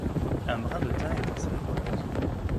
Un brin de thym est enserré par le fuseau.